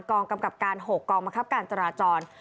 กองกำกับการ๖กองบังคับการจราจร